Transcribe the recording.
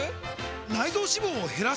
内臓脂肪を減らす！？